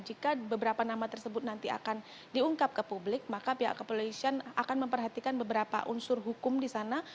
jika beberapa nama tersebut nanti akan diungkap ke publik maka pihak kepolisian akan memperhatikan beberapa unsur hukum di sana